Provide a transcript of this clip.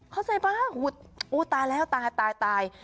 เข้าใจป่ะตายแล้วตาย